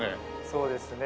そうですね。